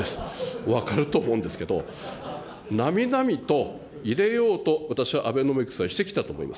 お分かりだと思うんですけど、なみなみと入れようと私は、アベノミクスはしてきたと思います。